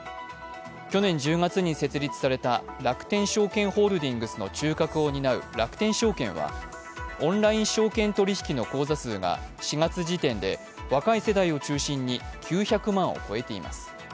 去年１０月に設立された楽天証券ホールディングスの中核を担う楽天証券はオンライン証券取引の口座数が４月時点で若い世代を中心に９００万を超えています。